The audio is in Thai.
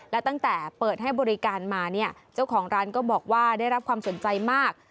และตั้งแต่เปิดให้บริการมาเนี่ยเจ้าของร้านก็บอกว่าได้รับความสนใจมาก